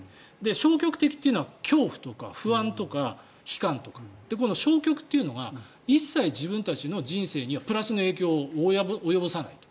消極的というのは恐怖とか不安とか悲観とかこの消極というのが一切自分たちの人生にはプラスの影響を及ぼさないと。